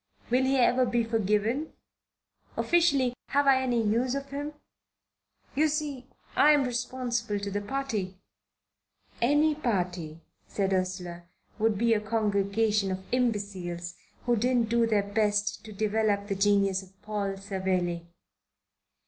Will he ever be forgiven? Officially, have I any use for him? You see, I'm responsible to the party." "Any party," said Ursula, "would be a congregation of imbeciles who didn't do their best to develop the genius of Paul Savelli."